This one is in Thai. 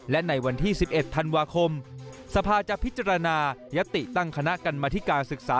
และในวันที่๑๑ธันวาคมสภาจะพิจารณายติตั้งคณะกรรมธิการศึกษา